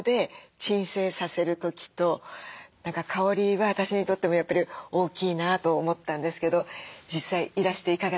何か香りは私にとってもやっぱり大きいなと思ったんですけど実際いらしていかがでしたか？